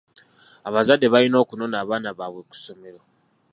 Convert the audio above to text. Abazadde balina okunona abaana baabwe ku ssomero.